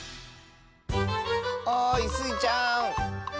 おいスイちゃん。